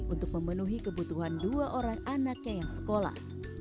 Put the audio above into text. untuk memenuhi kebutuhan dua orang anaknya yang sekolah